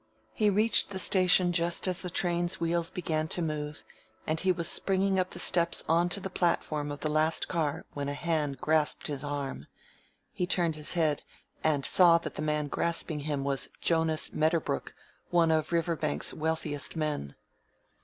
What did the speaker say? He reached the station just as the train's wheels began to move; and he was springing up the steps onto the platform of the last car when a hand grasped his arm. He turned his head and saw that the man grasping him was Jonas Medderbrook, one of Riverbank's wealthiest men.